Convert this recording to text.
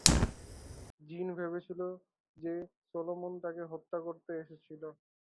জিন ভেবেছিল যে সলোমন তাকে হত্যা করতে এসেছিল।